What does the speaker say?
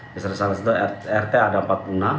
misalnya salah satu rt ada empat puluh enam